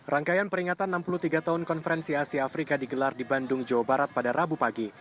rangkaian peringatan enam puluh tiga tahun konferensi asia afrika digelar di bandung jawa barat pada rabu pagi